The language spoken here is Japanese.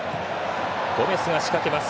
ゴメスが仕掛けます。